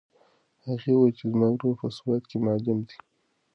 هغې وویل چې زما ورور په سوات کې معلم دی.